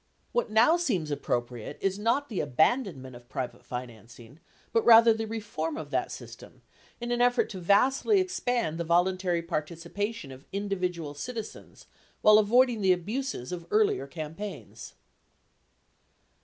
What now seems appropriate is not the abandonment of private financing, but rather the reform of that system in an effort to vastly expand the voluntary participation of individual citizens while avoid ing the abuses of earlier campaigns.